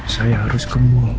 saya harus ke mall